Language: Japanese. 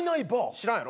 知らんやろ？